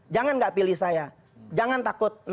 jangan nggak pilih saya jangan takut